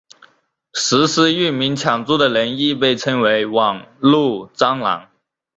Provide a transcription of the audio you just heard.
实施域名抢注的人亦被称为网路蟑螂。